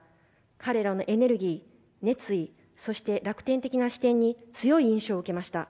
彼らのエネルギー熱意、そして楽天的な視点に強い印象を受けました。